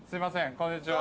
こんにちは。